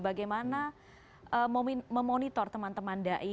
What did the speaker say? bagaimana memonitor teman teman dai